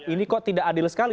ini kok tidak adil sekali